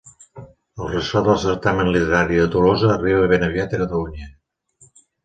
El ressò del certamen literari de Tolosa arribà ben aviat a Catalunya.